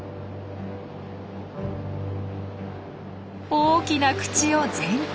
大きな口を全開！